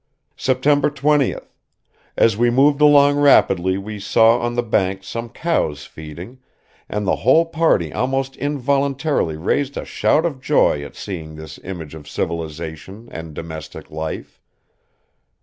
"September 20th.... As we moved along rapidly we saw on the banks some cows feeding, and the whole party almost involuntarily raised a shout of joy at seeing this image of civilization and domestic life.